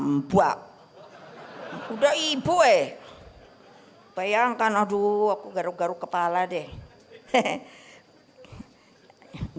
mbak udah ibu eh bayangkan aduh aku garu garu kepala deh jangan ketawa lah keren banget dia tadinya unit kerja aduh